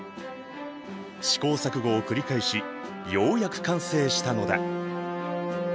試行錯誤を繰り返しようやく完成したのだ。